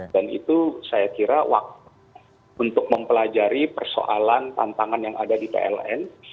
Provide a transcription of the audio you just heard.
dan itu saya kira waktu untuk mempelajari persoalan tantangan yang ada di pln